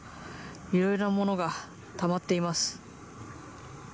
いろいろなものがたまっています。